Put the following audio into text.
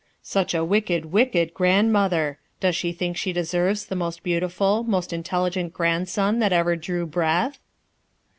"Such a wicked, wicked grandmother 1 Docs she think she deserves the most beautiful, most intelligent grandson that ever drew breath?'